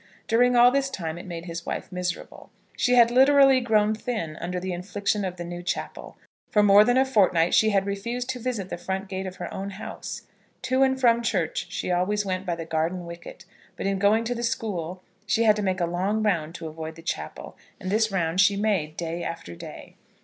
During all this time it made his wife miserable. She had literally grown thin under the infliction of the new chapel. For more than a fortnight she had refused to visit the front gate of her own house. To and from church she always went by the garden wicket; but in going to the school, she had to make a long round to avoid the chapel, and this round she made day after day.